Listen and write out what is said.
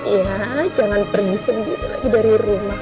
iya jangan pergi sendiri lagi dari rumah